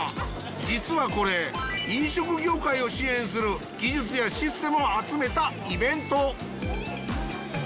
実はこれ飲食業界を支援する技術やシステムを集めたイベント。